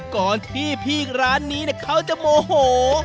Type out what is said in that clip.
ก่อนที่พี่ร้านนี้เขาจะโมโห